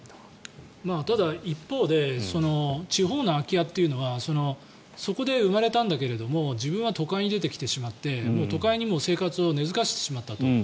ただ一方で地方の空き家というのはそこで生まれたんだけれども自分は都会に出てきてしまって都会に生活を根付かせてしまったと。